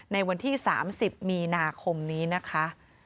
ในวันที่๓๐มีนาคมนี้นะคะ